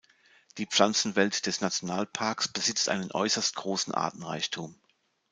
Die Pflanzenwelt des Nationalparks besitzt einen äußerst großen Artenreichtum.